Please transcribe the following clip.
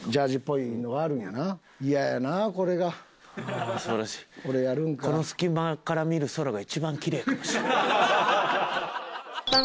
この隙間から見る空が一番キレイかもしれん。